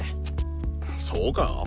そうか？